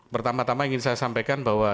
pertama tama ingin saya sampaikan bahwa